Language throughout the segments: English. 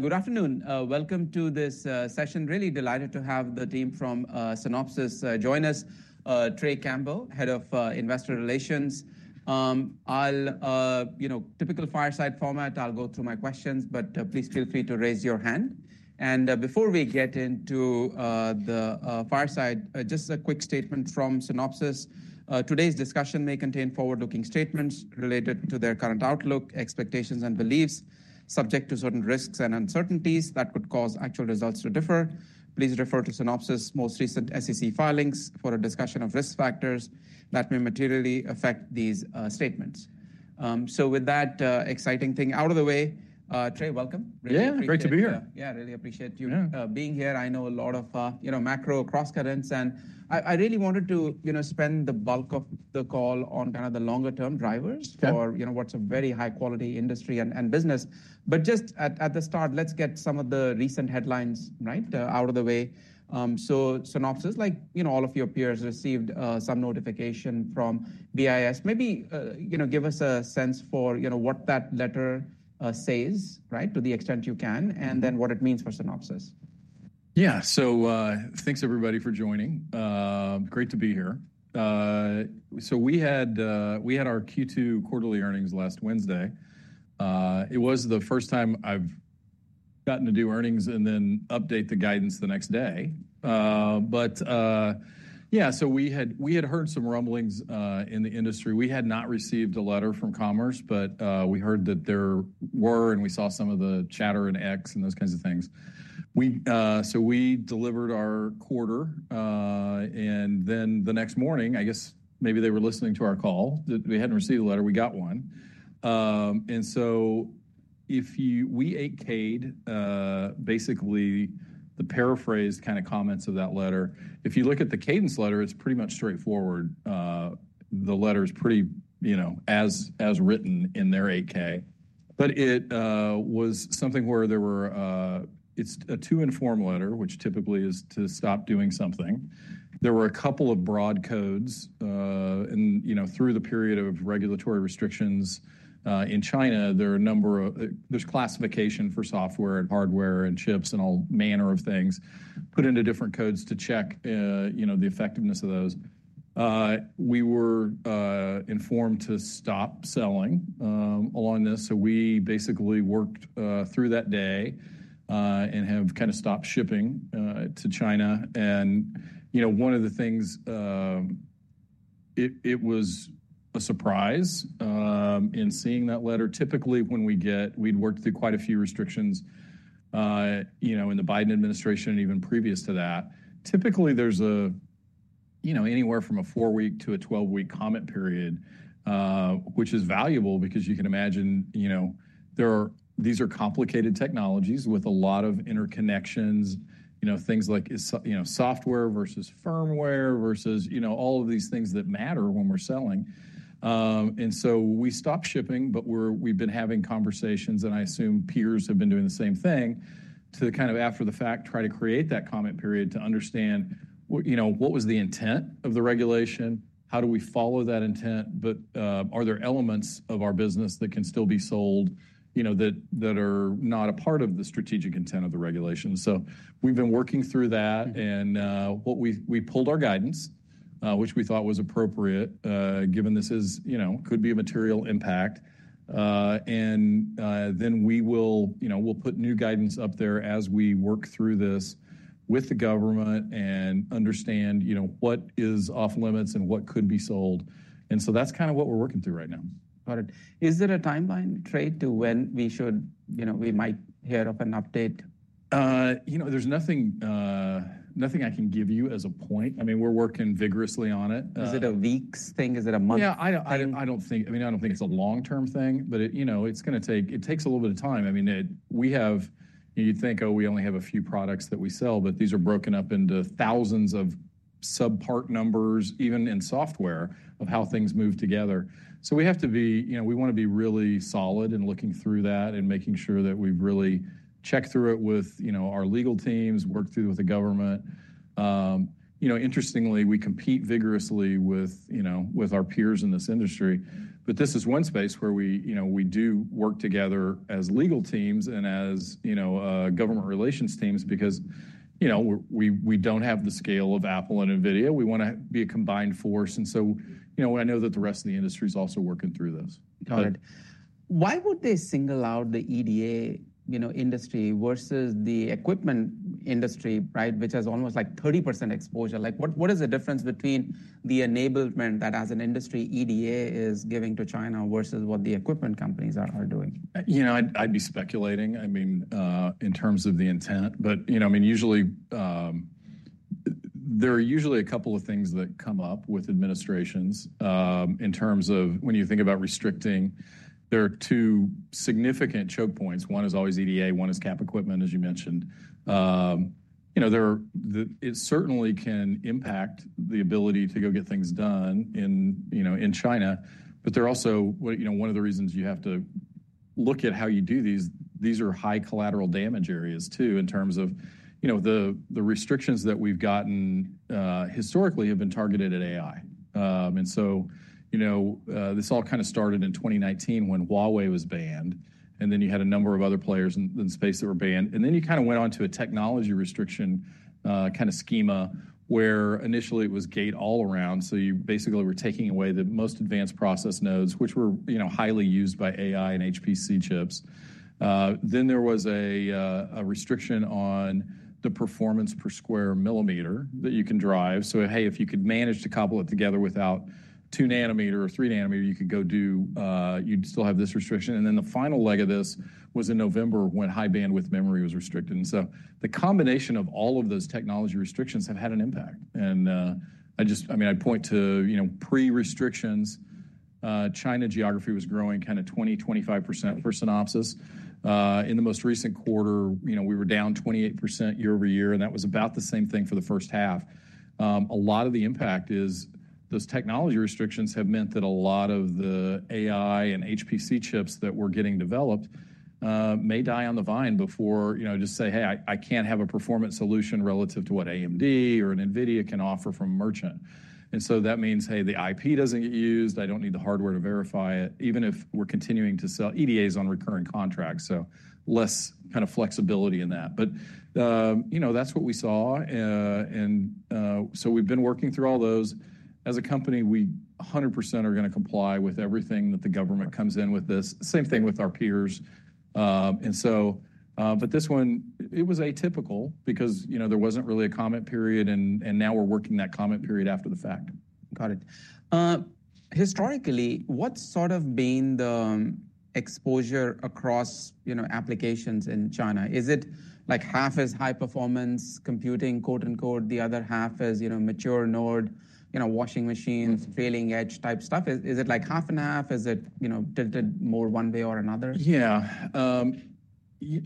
Good afternoon. Welcome to this session. Really delighted to have the team from Synopsys join us. Trey Campbell, Head of Investor Relations. I'll, you know, typical fireside format, I'll go through my questions, but please feel free to raise your hand. Before we get into the fireside, just a quick statement from Synopsys. Today's discussion may contain forward-looking statements related to their current outlook, expectations, and beliefs subject to certain risks and uncertainties that could cause actual results to differ. Please refer to Synopsys' most recent SEC filings for a discussion of risk factors that may materially affect these statements. With that exciting thing out of the way, Trey, welcome. Yeah, great to be here. Yeah, really appreciate you being here. I know a lot of, you know, macro cross-currents, and I really wanted to, you know, spend the bulk of the call on kind of the longer-term drivers for, you know, what's a very high-quality industry and business. Just at the start, let's get some of the recent headlines, right, out of the way. Synopsys, like, you know, all of your peers received some notification from BIS. Maybe, you know, give us a sense for, you know, what that letter says, right, to the extent you can, and then what it means for Synopsys. Yeah, so thanks, everybody, for joining. Great to be here. We had our Q2 quarterly earnings last Wednesday. It was the first time I've gotten to do earnings and then update the guidance the next day. We had heard some rumblings in the industry. We had not received a letter from Commerce, but we heard that there were, and we saw some of the chatter in X and those kinds of things. We delivered our quarter, and then the next morning, I guess maybe they were listening to our call. We had not received a letter. We got one. If you read 8-K, basically the paraphrased kind of comments of that letter. If you look at the Cadence letter, it is pretty much straightforward. The letter is pretty, you know, as written in their 8-K. It was something where there were, it's a too informed letter, which typically is to stop doing something. There were a couple of broad codes, and, you know, through the period of regulatory restrictions in China, there are a number of, there's classification for software and hardware and chips and all manner of things put into different codes to check, you know, the effectiveness of those. We were informed to stop selling along this. We basically worked through that day and have kind of stopped shipping to China. You know, one of the things, it was a surprise in seeing that letter. Typically, when we get, we'd worked through quite a few restrictions, you know, in the Biden administration and even previous to that. Typically, there's a, you know, anywhere from a four-week to a 12-week comment period, which is valuable because you can imagine, you know, these are complicated technologies with a lot of interconnections, you know, things like, you know, software versus firmware versus, you know, all of these things that matter when we're selling. We stopped shipping, but we've been having conversations, and I assume peers have been doing the same thing to kind of after the fact try to create that comment period to understand, you know, what was the intent of the regulation? How do we follow that intent? Are there elements of our business that can still be sold, you know, that are not a part of the strategic intent of the regulation? We've been working through that, and we pulled our guidance, which we thought was appropriate, given this is, you know, could be a material impact. We will, you know, we'll put new guidance up there as we work through this with the government and understand, you know, what is off limits and what could be sold. That's kind of what we're working through right now. Got it. Is there a timeline, Trey, to when we should, you know, we might hear of an update? You know, there's nothing I can give you as a point. I mean, we're working vigorously on it. Is it a weeks thing? Is it a month? Yeah, I don't think, I mean, I don't think it's a long-term thing, but, you know, it's going to take, it takes a little bit of time. I mean, we have, you'd think, oh, we only have a few products that we sell, but these are broken up into thousands of subpart numbers, even in software, of how things move together. So we have to be, you know, we want to be really solid in looking through that and making sure that we've really checked through it with, you know, our legal teams, worked through with the government. You know, interestingly, we compete vigorously with, you know, with our peers in this industry. This is one space where we, you know, we do work together as legal teams and as, you know, government relations teams because, you know, we don't have the scale of Apple and NVIDIA. We want to be a combined force. And so, you know, I know that the rest of the industry is also working through this. Got it. Why would they single out the EDA, you know, industry versus the equipment industry, right, which has almost like 30% exposure? What is the difference between the enablement that, as an industry, EDA is giving to China versus what the equipment companies are doing? You know, I'd be speculating, I mean, in terms of the intent. But, you know, I mean, usually there are a couple of things that come up with administrations in terms of when you think about restricting. There are two significant choke points. One is always EDA, one is cap equipment, as you mentioned. You know, it certainly can impact the ability to go get things done in, you know, in China. There are also, you know, one of the reasons you have to look at how you do these, these are high collateral damage areas too in terms of, you know, the restrictions that we've gotten historically have been targeted at AI. This all kind of started in 2019 when Huawei was banned, and then you had a number of other players in the space that were banned. You kind of went on to a technology restriction kind of schema where initially it was Gate All-Around. You basically were taking away the most advanced process nodes, which were, you know, highly used by AI and HPC chips. There was a restriction on the performance per square millimeter that you can drive. Hey, if you could manage to cobble it together without two nanometer or three nanometer, you could go do, you'd still have this restriction. The final leg of this was in November when High Bandwidth Memory was restricted. The combination of all of those technology restrictions have had an impact. I just, I mean, I point to, you know, pre-restrictions. China geography was growing kind of 20%-25% for Synopsys. In the most recent quarter, you know, we were down 28% year over year, and that was about the same thing for the first half. A lot of the impact is those technology restrictions have meant that a lot of the AI and HPC chips that were getting developed may die on the vine before, you know, just say, hey, I can't have a performance solution relative to what AMD or NVIDIA can offer from a merchant. That means, hey, the IP doesn't get used. I don't need the hardware to verify it, even if we're continuing to sell EDAs on recurring contracts. Less kind of flexibility in that. You know, that's what we saw. We have been working through all those. As a company, we 100% are going to comply with everything that the government comes in with this. Same thing with our peers. This one, it was atypical because, you know, there was not really a comment period, and now we are working that comment period after the fact. Got it. Historically, what's sort of been the exposure across, you know, applications in China? Is it like half as high performance computing, quote unquote, the other half as, you know, mature node, you know, washing machines, trailing edge type stuff? Is it like half and half? Is it, you know, tilted more one way or another? Yeah.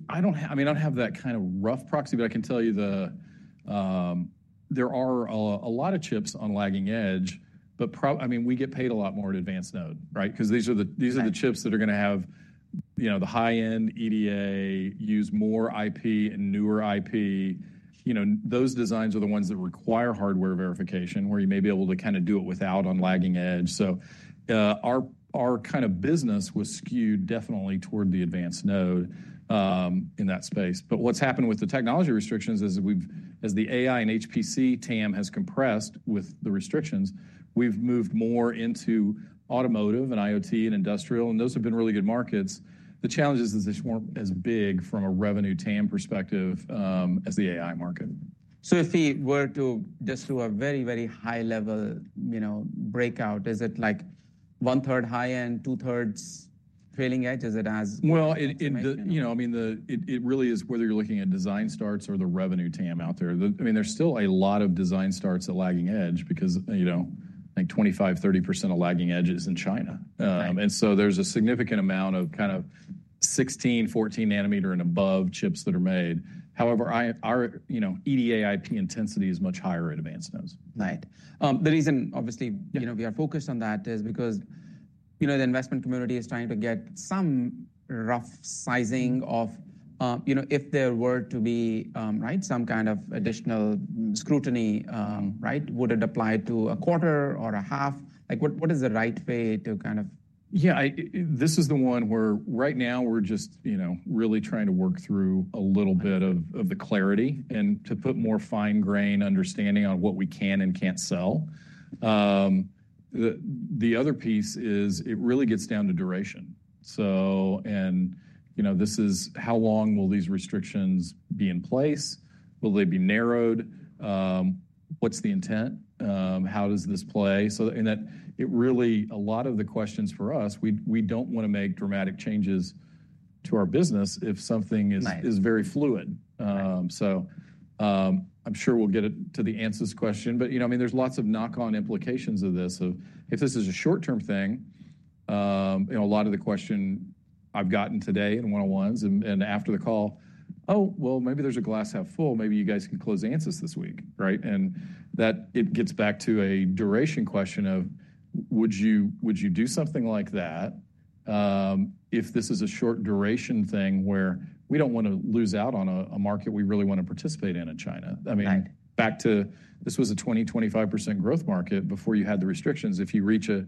I don't, I mean, I don't have that kind of rough proxy, but I can tell you there are a lot of chips on lagging edge, but probably, I mean, we get paid a lot more at advanced node, right? Because these are the chips that are going to have, you know, the high-end EDA use more IP and newer IP. You know, those designs are the ones that require hardware verification where you may be able to kind of do it without on lagging edge. Our kind of business was skewed definitely toward the advanced node in that space. What's happened with the technology restrictions is we've, as the AI and HPC TAM has compressed with the restrictions, we've moved more into automotive and IoT and industrial, and those have been really good markets. The challenge is that they just weren't as big from a revenue TAM perspective as the AI market. If we were to just do a very, very high level, you know, breakout, is it like one-third high-end, two-thirds trailing edge? Is it as? You know, I mean, it really is whether you're looking at design starts or the revenue TAM out there. I mean, there's still a lot of design starts at lagging edge because, you know, like 25%-30% of lagging edge is in China. And so there's a significant amount of kind of 16, 14 nanometer and above chips that are made. However, our, you know, EDA IP intensity is much higher at advanced nodes. Right. The reason, obviously, you know, we are focused on that is because, you know, the investment community is trying to get some rough sizing of, you know, if there were to be, right, some kind of additional scrutiny, right, would it apply to a quarter or a half? Like, what is the right way to kind of? Yeah, this is the one where right now we're just, you know, really trying to work through a little bit of the clarity and to put more fine-grain understanding on what we can and can't sell. The other piece is it really gets down to duration. So, you know, this is how long will these restrictions be in place? Will they be narrowed? What's the intent? How does this play? In that, it really, a lot of the questions for us, we don't want to make dramatic changes to our business if something is very fluid. I'm sure we'll get to the answer to this question. You know, I mean, there's lots of knock-on implications of this. If this is a short-term thing, you know, a lot of the question I've gotten today in one-on-ones and after the call, oh, well, maybe there's a glass half full. Maybe you guys can close Ansys this week, right? And that it gets back to a duration question of, would you do something like that if this is a short duration thing where we don't want to lose out on a market we really want to participate in in China? I mean, back to this was a 20%-25% growth market before you had the restrictions. If you reach a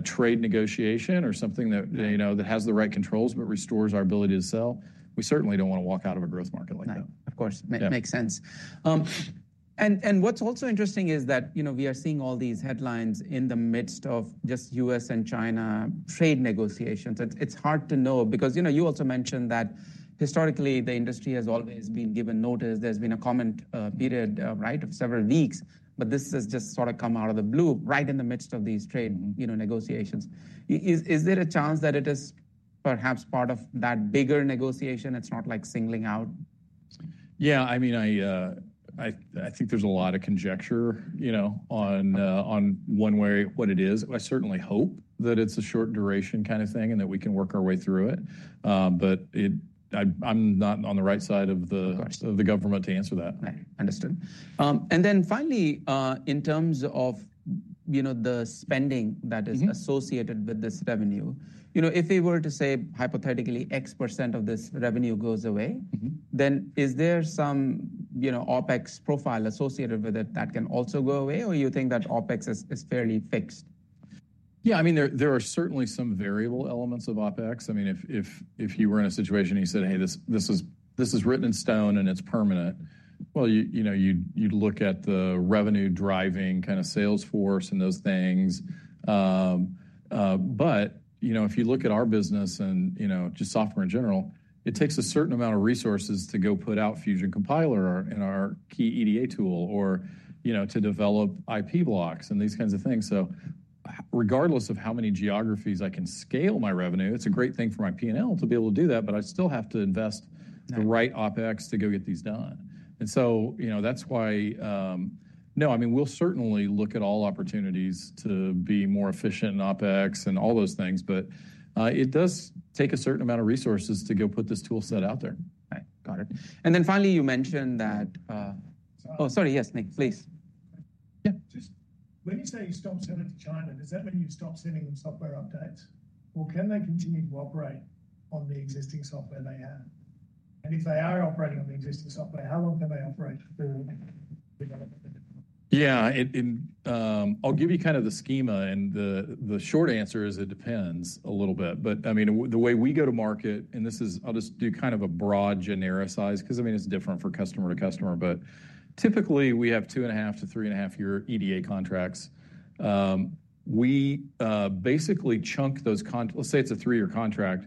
trade negotiation or something that, you know, that has the right controls but restores our ability to sell, we certainly don't want to walk out of a growth market like that. Of course. Makes sense. What's also interesting is that, you know, we are seeing all these headlines in the midst of just U.S. and China trade negotiations. It's hard to know because, you know, you also mentioned that historically the industry has always been given notice. There's been a comment period, right, of several weeks, but this has just sort of come out of the blue right in the midst of these trade, you know, negotiations. Is there a chance that it is perhaps part of that bigger negotiation? It's not like singling out? Yeah, I mean, I think there's a lot of conjecture, you know, on one way what it is. I certainly hope that it's a short duration kind of thing and that we can work our way through it. I am not on the right side of the government to answer that. Understood. And then finally, in terms of, you know, the spending that is associated with this revenue, you know, if we were to say hypothetically X% of this revenue goes away, then is there some, you know, OpEx profile associated with it that can also go away? Or you think that OpEx is fairly fixed? Yeah, I mean, there are certainly some variable elements of OpEx. I mean, if you were in a situation and you said, hey, this is written in stone and it's permanent, well, you know, you'd look at the revenue driving kind of sales force and those things. But, you know, if you look at our business and, you know, just software in general, it takes a certain amount of resources to go put out Fusion Compiler and our key EDA tool or, you know, to develop IP blocks and these kinds of things. So regardless of how many geographies I can scale my revenue, it's a great thing for my P&L to be able to do that, but I still have to invest the right OpEx to go get these done. You know, that's why, no, I mean, we'll certainly look at all opportunities to be more efficient in OpEx and all those things, but it does take a certain amount of resources to go put this tool set out there. Right. Got it. And then finally, you mentioned that, oh, sorry, yes, please. Yeah. When you say you stop selling to China, is that when you stop sending them software updates? Or can they continue to operate on the existing software they have? If they are operating on the existing software, how long can they operate through? Yeah, I'll give you kind of the schema, and the short answer is it depends a little bit. I mean, the way we go to market, and this is, I'll just do kind of a broad genericized, because I mean, it's different for customer to customer, but typically we have two and a half to three and a half year EDA contracts. We basically chunk those contracts, let's say it's a three-year contract,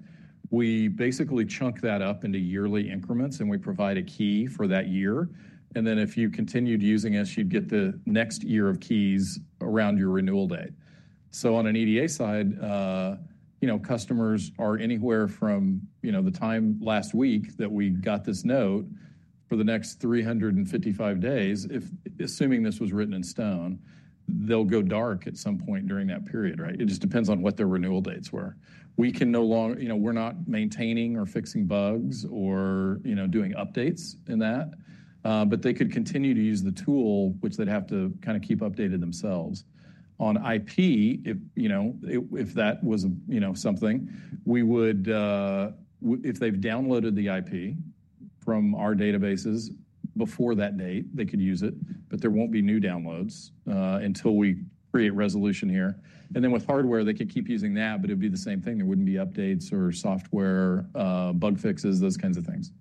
we basically chunk that up into yearly increments and we provide a key for that year. If you continued using us, you'd get the next year of keys around your renewal date. On an EDA side, you know, customers are anywhere from, you know, the time last week that we got this note for the next 355 days, assuming this was written in stone, they'll go dark at some point during that period, right? It just depends on what their renewal dates were. We can no longer, you know, we're not maintaining or fixing bugs or, you know, doing updates in that. They could continue to use the tool, which they'd have to kind of keep updated themselves. On IP, you know, if that was, you know, something, we would, if they've downloaded the IP from our databases before that date, they could use it, but there won't be new downloads until we create resolution here. With hardware, they could keep using that, but it would be the same thing. There wouldn't be updates or software bug fixes, those kinds of things.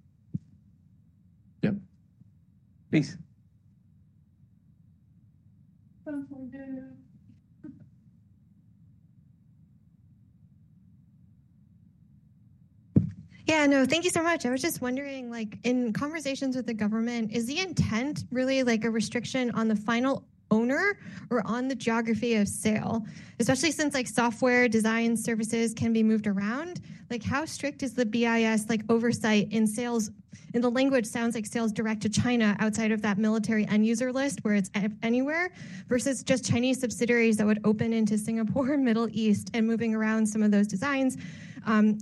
Yep. Please. Yeah, no, thank you so much. I was just wondering, like in conversations with the government, is the intent really like a restriction on the final owner or on the geography of sale, especially since like software design services can be moved around? Like how strict is the BIS oversight in sales, in the language sounds like sales direct to China outside of that military end user list where it's anywhere versus just Chinese subsidiaries that would open into Singapore, Middle East, and moving around some of those designs?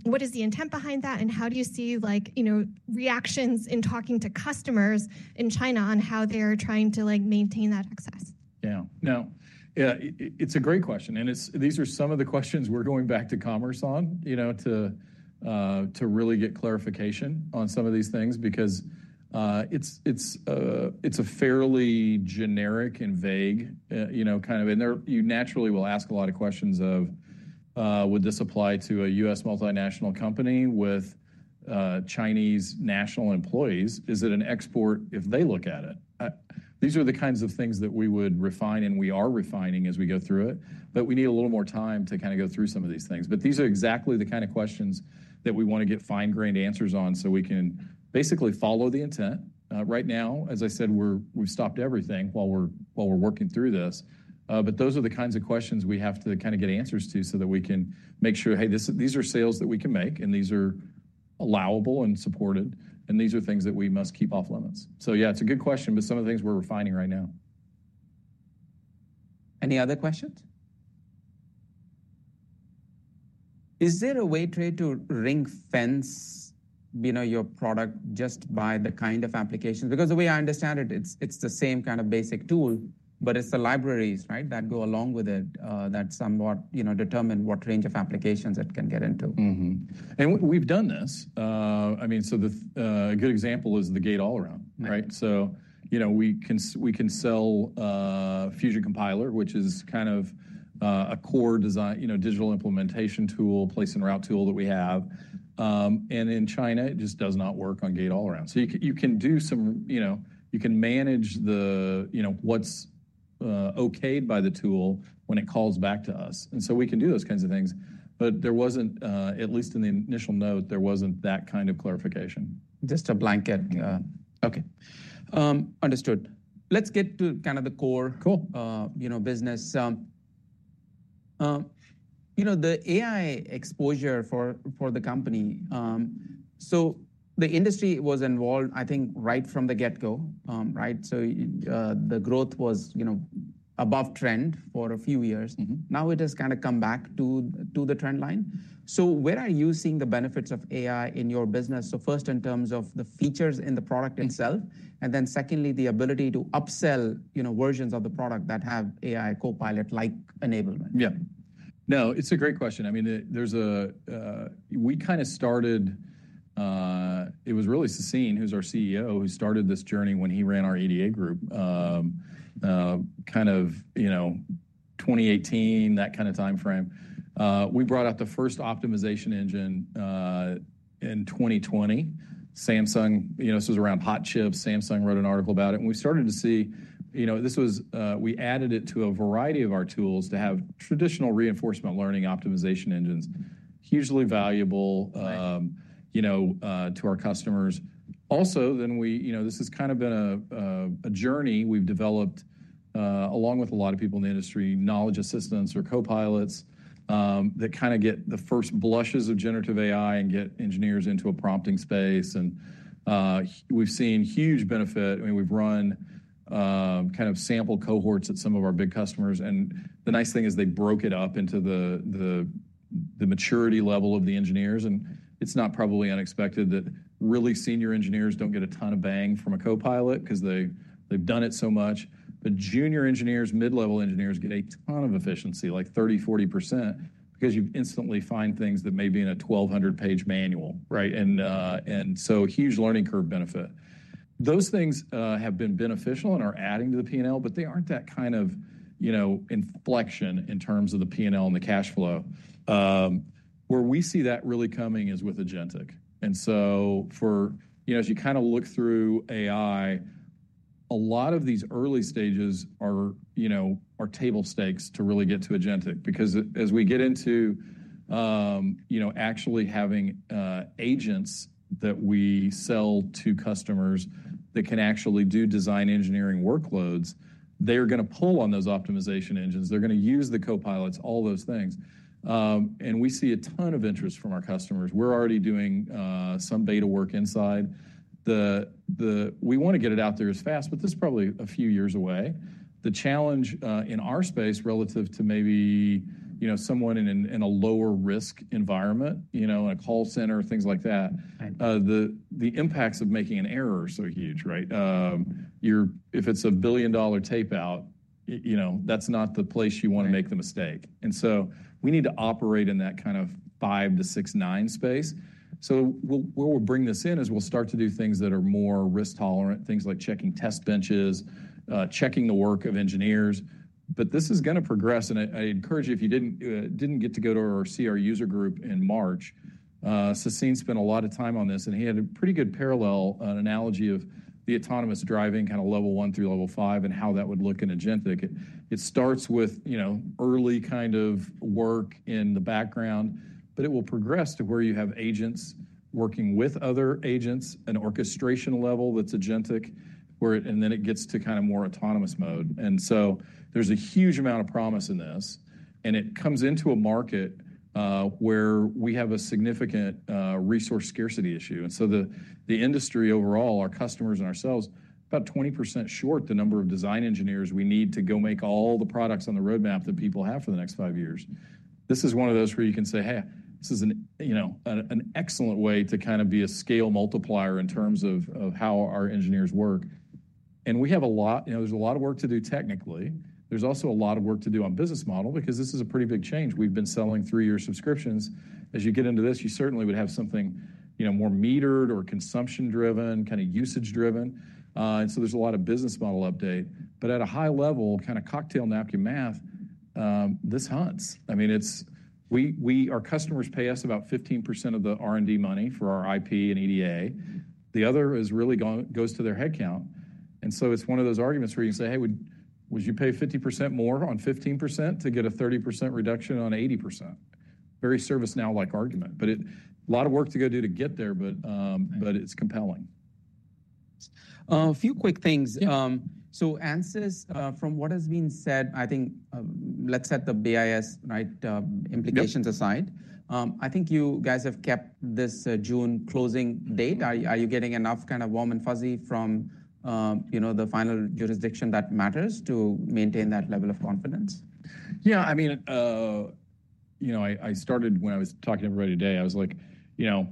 What is the intent behind that? How do you see, like, you know, reactions in talking to customers in China on how they are trying to, like, maintain that access? Yeah, no, yeah, it's a great question. And it's, these are some of the questions we're going back to Commerce on, you know, to really get clarification on some of these things because it's a fairly generic and vague, you know, kind of, and you naturally will ask a lot of questions of, would this apply to a U.S. multinational company with Chinese national employees? Is it an export if they look at it? These are the kinds of things that we would refine and we are refining as we go through it. But we need a little more time to kind of go through some of these things. These are exactly the kind of questions that we want to get fine-grained answers on so we can basically follow the intent. Right now, as I said, we've stopped everything while we're working through this. Those are the kinds of questions we have to kind of get answers to so that we can make sure, hey, these are sales that we can make and these are allowable and supported and these are things that we must keep off limits. Yeah, it's a good question, but some of the things we're refining right now. Any other questions? Is there a way to ring-fence, you know, your product just by the kind of applications? Because the way I understand it, it's the same kind of basic tool, but it's the libraries, right, that go along with it that somewhat, you know, determine what range of applications it can get into. We have done this. I mean, a good example is the Gate All-Around, right? You know, we can sell Fusion Compiler, which is kind of a core design, you know, digital implementation tool, place and route tool that we have. In China, it just does not work on Gate All-Around. You can do some, you know, you can manage what is okayed by the tool when it calls back to us. We can do those kinds of things. There was not, at least in the initial note, that kind of clarification. Just a blanket. Okay. Understood. Let's get to kind of the core, you know, business. You know, the AI exposure for the company, so the industry was involved, I think, right from the get-go, right? So the growth was, you know, above trend for a few years. Now it has kind of come back to the trend line. Where are you seeing the benefits of AI in your business? First in terms of the features in the product itself, and then secondly, the ability to upsell, you know, versions of the product that have AI copilot-like enablement. Yeah. No, it's a great question. I mean, there's a, we kind of started, it was really Sassine, who's our CEO, who started this journey when he ran our EDA group, kind of, you know, 2018, that kind of timeframe. We brought out the first optimization engine in 2020. Samsung, you know, this was around Hot Chips. Samsung wrote an article about it. And we started to see, you know, this was, we added it to a variety of our tools to have traditional reinforcement learning optimization engines, hugely valuable, you know, to our customers. Also, then we, you know, this has kind of been a journey we've developed along with a lot of people in the industry, knowledge assistants or copilots that kind of get the first blushes of generative AI and get engineers into a prompting space. And we've seen huge benefit. I mean, we've run kind of sample cohorts at some of our big customers. The nice thing is they broke it up into the maturity level of the engineers. It's not probably unexpected that really senior engineers don't get a ton of bang from a copilot because they've done it so much. Junior engineers, mid-level engineers get a ton of efficiency, like 30%-40%, because you instantly find things that may be in a 1,200-page manual, right? Huge learning curve benefit. Those things have been beneficial and are adding to the P&L, but they aren't that kind of, you know, inflection in terms of the P&L and the cash flow. Where we see that really coming is with Agentic. For, you know, as you kind of look through AI, a lot of these early stages are, you know, are table stakes to really get to Agentic. Because as we get into, you know, actually having agents that we sell to customers that can actually do design engineering workloads, they're going to pull on those optimization engines. They're going to use the copilots, all those things. And we see a ton of interest from our customers. We're already doing some beta work inside. We want to get it out there as fast, but this is probably a few years away. The challenge in our space relative to maybe, you know, someone in a lower risk environment, you know, in a call center, things like that, the impacts of making an error are so huge, right? If it's a billion-dollar tape out, you know, that's not the place you want to make the mistake. We need to operate in that kind of five to six, nine space. Where we'll bring this in is we'll start to do things that are more risk tolerant, things like checking test benches, checking the work of engineers. This is going to progress. I encourage you, if you didn't get to go to our CR user group in March, Sassine spent a lot of time on this. He had a pretty good parallel, an analogy of the autonomous driving kind of level one through level five and how that would look in Agentic. It starts with, you know, early kind of work in the background, but it will progress to where you have agents working with other agents, an orchestration level that's Agentic, and then it gets to kind of more autonomous mode. There is a huge amount of promise in this. It comes into a market where we have a significant resource scarcity issue. The industry overall, our customers and ourselves, is about 20% short the number of design engineers we need to go make all the products on the roadmap that people have for the next five years. This is one of those where you can say, hey, this is an, you know, an excellent way to kind of be a scale multiplier in terms of how our engineers work. We have a lot, you know, there is a lot of work to do technically. There's also a lot of work to do on business model because this is a pretty big change. We've been selling three-year subscriptions. As you get into this, you certainly would have something, you know, more metered or consumption-driven, kind of usage-driven. There is a lot of business model update. At a high level, kind of cocktail napkin math, this hunts. I mean, our customers pay us about 15% of the R&D money for our IP and EDA. The other really goes to their headcount. It is one of those arguments where you can say, hey, would you pay 50% more on 15% to get a 30% reduction on 80%? Very ServiceNow-like argument, but a lot of work to go do to get there, but it's compelling. A few quick things. So Ansys, from what has been said, I think, let's set the BIS, right, implications aside. I think you guys have kept this June closing date. Are you getting enough kind of warm and fuzzy from, you know, the final jurisdiction that matters to maintain that level of confidence? Yeah, I mean, you know, I started when I was talking to everybody today, I was like, you know,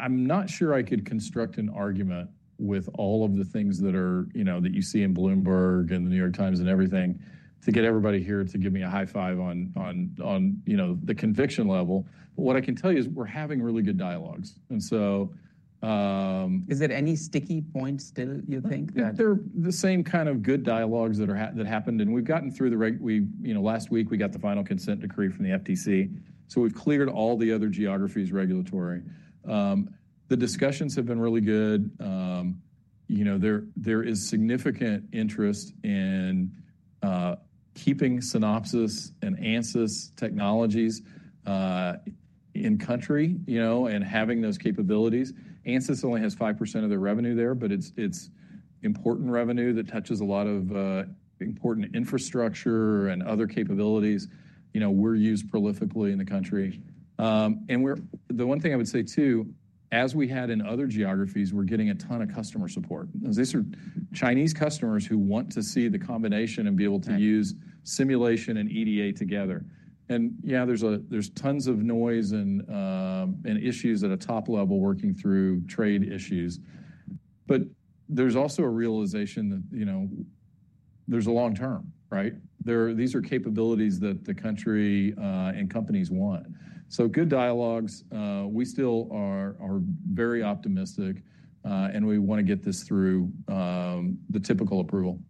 I'm not sure I could construct an argument with all of the things that are, you know, that you see in Bloomberg and New York Times and everything to get everybody here to give me a high five on, you know, the conviction level. What I can tell you is we're having really good dialogues. And so. Is there any sticky points still, you think? They're the same kind of good dialogues that happened. We've gotten through the right, we, you know, last week we got the final consent decree from the FTC. We've cleared all the other geographies regulatory. The discussions have been really good. You know, there is significant interest in keeping Synopsys and Ansys technologies in country, you know, and having those capabilities. Ansys only has 5% of their revenue there, but it's important revenue that touches a lot of important infrastructure and other capabilities, you know, we're used prolifically in the country. The one thing I would say too, as we had in other geographies, we're getting a ton of customer support. These are Chinese customers who want to see the combination and be able to use simulation and EDA together. Yeah, there's tons of noise and issues at a top level working through trade issues. There is also a realization that, you know, there is a long term, right? These are capabilities that the country and companies want. So good dialogues. We still are very optimistic and we want to get this through the typical approval.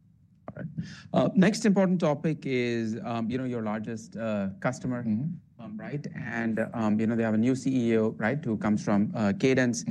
All right. Next important topic is, you know, your largest customer, right? And you know, they have a new CEO, right, who comes from Cadence.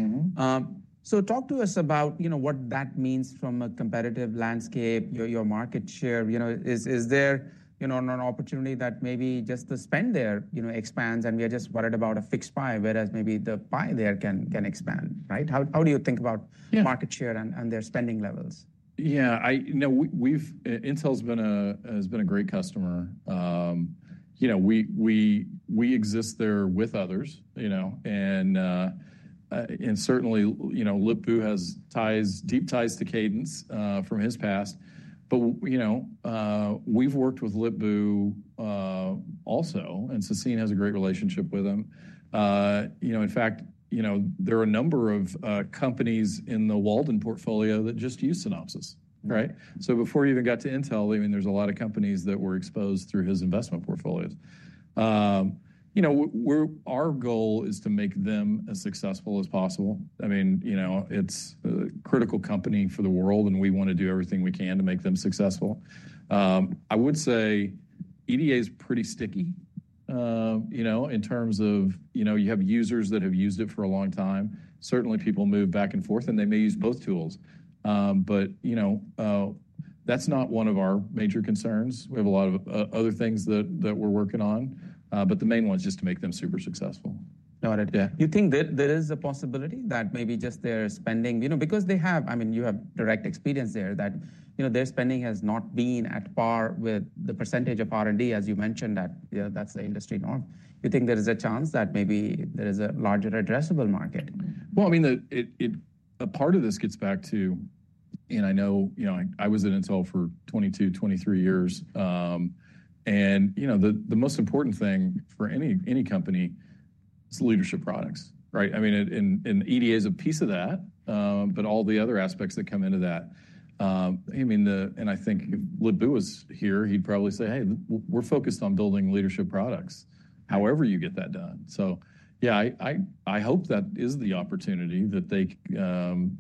So talk to us about, you know, what that means from a competitive landscape, your market share, you know, is there, you know, an opportunity that maybe just the spend there, you know, expands and we are just worried about a fixed pie, whereas maybe the pie there can expand, right? How do you think about market share and their spending levels? Yeah, I, you know, Intel has been a great customer. You know, we exist there with others, you know, and certainly, you know, Lip-Bu has ties, deep ties to Cadence from his past. But, you know, we've worked with Lip-Bu also and Sassine has a great relationship with him. You know, in fact, you know, there are a number of companies in the Walden portfolio that just use Synopsys, right? So before you even got to Intel, I mean, there's a lot of companies that were exposed through his investment portfolios. You know, our goal is to make them as successful as possible. I mean, you know, it's a critical company for the world and we want to do everything we can to make them successful. I would say EDA is pretty sticky, you know, in terms of, you know, you have users that have used it for a long time. Certainly, people move back and forth and they may use both tools. You know, that's not one of our major concerns. We have a lot of other things that we're working on. The main one is just to make them super successful. Got it. You think there is a possibility that maybe just their spending, you know, because they have, I mean, you have direct experience there that, you know, their spending has not been at par with the percent of R&D, as you mentioned, that that's the industry norm. You think there is a chance that maybe there is a larger addressable market? I mean, a part of this gets back to, and I know, you know, I was at Intel for 22, 23 years. You know, the most important thing for any company is leadership products, right? I mean, and EDA is a piece of that, but all the other aspects that come into that. I mean, and I think if Lip-Bu was here, he'd probably say, hey, we're focused on building leadership products, however you get that done. Yeah, I hope that is the opportunity that they,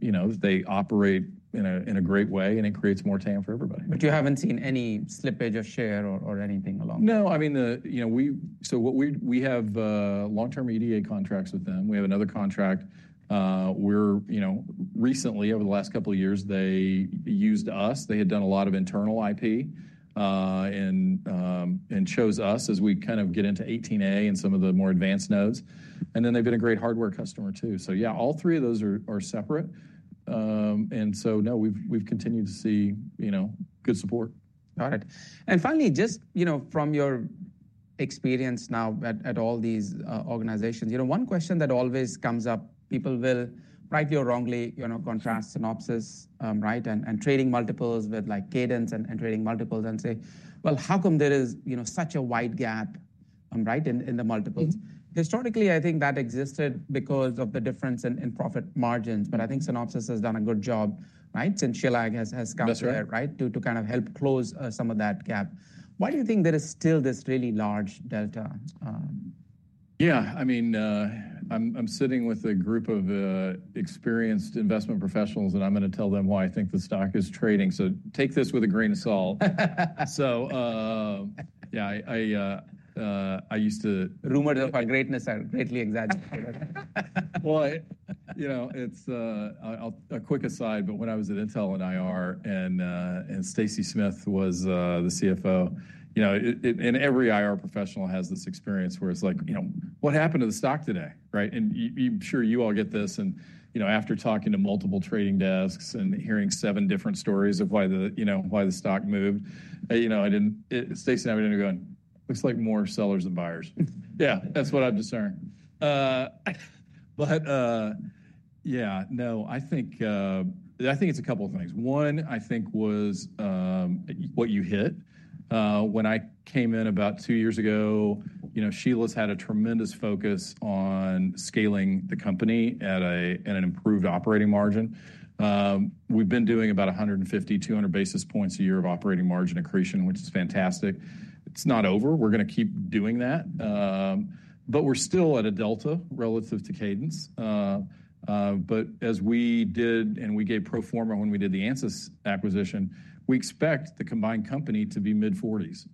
you know, they operate in a great way and it creates more time for everybody. You have not seen any slippage of share or anything along? No, I mean, you know, so we have long-term EDA contracts with them. We have another contract. We're, you know, recently, over the last couple of years, they used us. They had done a lot of internal IP and chose us as we kind of get into 18A and some of the more advanced nodes. Then they've been a great hardware customer too. Yeah, all three of those are separate. No, we've continued to see, you know, good support. Got it. And finally, just, you know, from your experience now at all these organizations, you know, one question that always comes up, people will rightly or wrongly, you know, contrast Synopsys, right, and trading multiples with like Cadence and trading multiples and say, well, how come there is, you know, such a wide gap, right, in the multiples? Historically, I think that existed because of the difference in profit margins. But I think Synopsys has done a good job, right, since Shelagh has come there, right, to kind of help close some of that gap. Why do you think there is still this really large delta? Yeah, I mean, I'm sitting with a group of experienced investment professionals and I'm going to tell them why I think the stock is trading. So take this with a grain of salt. So yeah, I used to. Rumors of our greatness are greatly exaggerated. You know, it's a quick aside, but when I was at Intel in IR and Stacy Smith was the CFO, you know, and every IR professional has this experience where it's like, you know, what happened to the stock today, right? I'm sure you all get this and, you know, after talking to multiple trading desks and hearing seven different stories of why the, you know, why the stock moved, you know, Stacy and I were going, looks like more sellers than buyers. Yeah, that's what I'm just hearing. Yeah, no, I think, I think it's a couple of things. One, I think was what you hit. When I came in about two years ago, you know, Shelagh's had a tremendous focus on scaling the company at an improved operating margin. We've been doing about 150-200 basis points a year of operating margin accretion, which is fantastic. It's not over. We're going to keep doing that. We're still at a delta relative to Cadence. As we did and we gave pro forma when we did the Ansys acquisition, we expect the combined company to be mid-40s,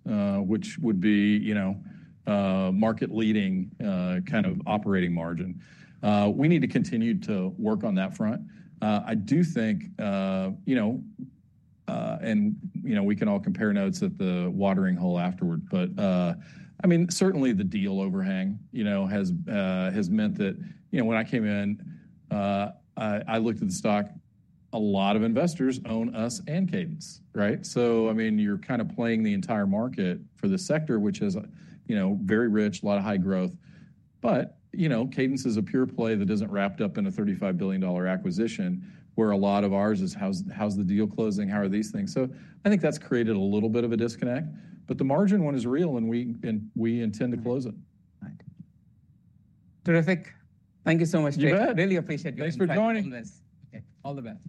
which would be, you know, market-leading kind of operating margin. We need to continue to work on that front. I do think, you know, and you know, we can all compare notes at the watering hole afterward, but I mean, certainly the deal overhang, you know, has meant that, you know, when I came in, I looked at the stock, a lot of investors own us and Cadence, right? I mean, you're kind of playing the entire market for the sector, which is, you know, very rich, a lot of high growth. But, you know, Cadence is a pure play that isn't wrapped up in a $35 billion acquisition where a lot of ours is how's the deal closing, how are these things? I think that's created a little bit of a disconnect. But the margin one is real and we intend to close it. Terrific. Thank you so much, Trey. Really appreciate your help on this. Thanks for joining. All the best.